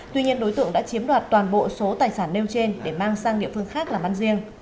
tuy nhiên đối tượng đã chiếm đoạt toàn bộ số tài sản nêu trên để mang sang địa phương khác làm ăn riêng